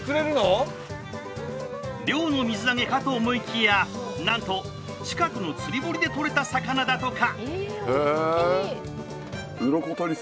漁の水揚げかと思いきやなんと近くの釣り堀でとれた魚だとか！